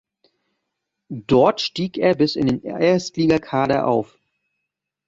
Dort stieg er bis in den Erstligakader auf.